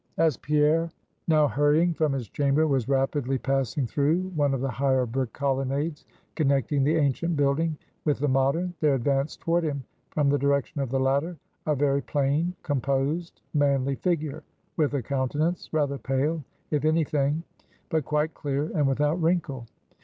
As Pierre, now hurrying from his chamber, was rapidly passing through one of the higher brick colonnades connecting the ancient building with the modern, there advanced toward him from the direction of the latter, a very plain, composed, manly figure, with a countenance rather pale if any thing, but quite clear and without wrinkle.